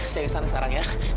saya kesana sekarang ya